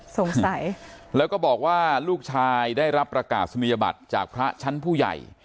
สงสัยแล้วก็บอกว่าลูกชายได้รับประกาศนียบัตรจากพระชั้นผู้ใหญ่